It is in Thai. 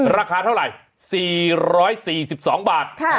ราคาเท่าไหร่๔๔๒บาท